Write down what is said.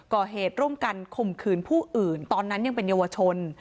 ก่อเหตุร่วมกันข่มขืนผู้อื่นตอนนั้นยังเป็นเยาวชน